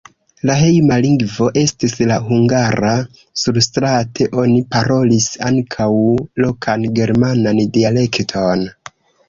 La hejma lingvo estis la hungara, surstrate oni parolis ankaŭ lokan germanan dialekton.